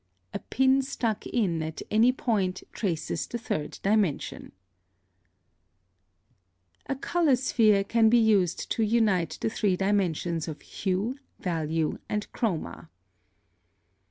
A pin stuck in at any point traces the third dimension. [Illustration: Fig. 5.] +A color sphere can be used to unite the three dimensions of hue, value, and chroma.